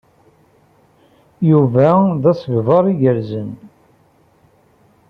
Yuba d asegbar igerrzen.